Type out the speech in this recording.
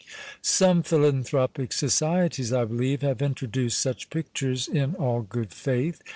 Some philanthropic societies, I believe, have introduced such pictures in all good faith.